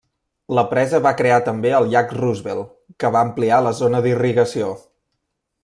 La presa va crear també el Llac Roosevelt, que va ampliar la zona d'irrigació.